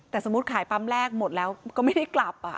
แต่สมมุติขายปั๊มแรกหมดแล้วก็ไม่ได้กลับ